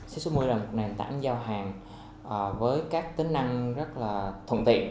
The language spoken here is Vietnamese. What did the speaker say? sip sáu mươi là một nền tảng giao hàng với các tính năng rất là thuận tiện